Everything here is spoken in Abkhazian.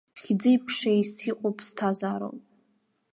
Хьӡи-ԥшеис иҟоу ԥсҭазаароуп!